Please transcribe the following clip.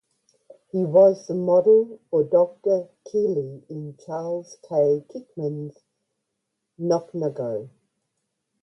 He was the model for Doctor Kiely in Charles J. Kickham's "Knocknagow".